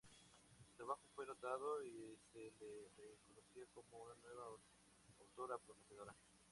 Su trabajo fue notado y se le reconocía como una nueva autora prometedora.